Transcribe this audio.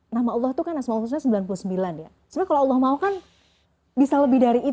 nama allah itu kan asmaul husna sembilan puluh sembilan ya